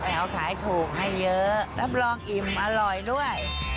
เอาขายถูกให้เยอะรับรองอิ่มอร่อยด้วย